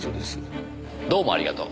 どうもありがとう。